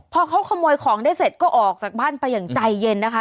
พอเขาขโมยของได้เสร็จก็ออกจากบ้านไปอย่างใจเย็นนะคะ